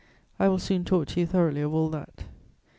I will soon talk to you thoroughly of all that.